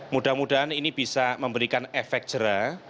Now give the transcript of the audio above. mudah mudahan ini bisa memberikan efek jerah